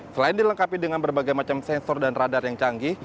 selain dilengkapi dengan berbagai macam sensor dan radar yang canggih